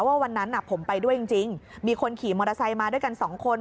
วันนั้นผมไปด้วยจริงมีคนขี่มอเตอร์ไซค์มาด้วยกันสองคน